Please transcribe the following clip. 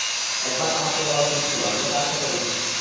একবার আমাকে বলা উচিত ছিল, আমি এটা আশা করিনি।